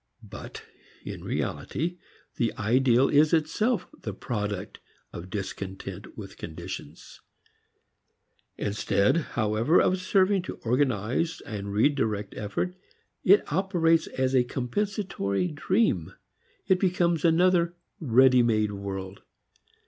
But in reality the ideal is itself the product of discontent with conditions. Instead however of serving to organize and direct effort, it operates as a compensatory dream. It becomes another ready made world.